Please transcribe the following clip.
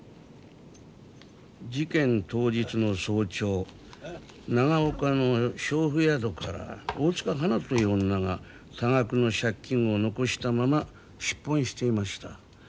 事件当日の早朝長岡の娼婦宿から大塚ハナという女が多額の借金を残したまま出奔していました。